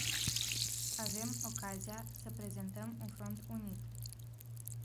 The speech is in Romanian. Avem ocazia să prezentăm un front unit.